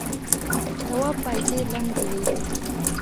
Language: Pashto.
تواب پايڅې لندې وې.